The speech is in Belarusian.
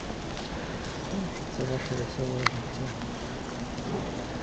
Скончыцца ваша вясёлае жыццё.